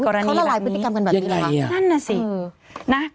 เขาละลายพฤติกรรมกันแบบนี้หรือเปล่ายังไงน่ะสิ